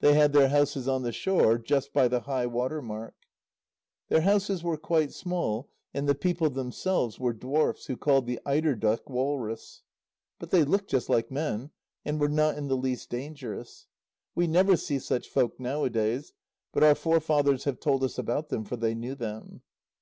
They had their houses on the shore, just by high water mark. Their houses were quite small, and the people themselves were dwarfs, who called the eider duck walrus. But they looked just like men, and were not in the least dangerous. We never see such folk nowadays, but our forefathers have told us about them, for they knew them.